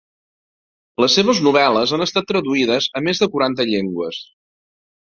Les seves novel·les han estat traduïdes a més de quaranta llengües.